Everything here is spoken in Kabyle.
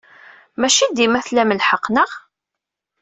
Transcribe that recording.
Maci dima tlam lḥeqq, naɣ?